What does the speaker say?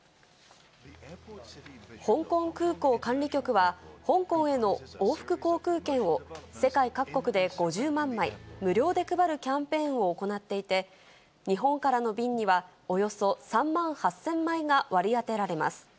香港空港管理局は、香港への往復航空券を、世界各国で５０万枚、無料で配るキャンペーンを行っていて、日本からの便にはおよそ３万８０００枚が割り当てられます。